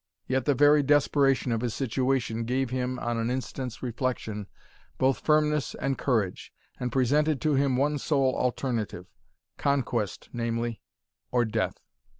Yet the very desperation of his situation gave him, on an instant's reflection, both firmness and courage, and presented to him one sole alternative, conquest, namely, or death.